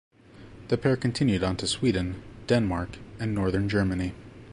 The pair continued on to Sweden, Denmark and northern Germany.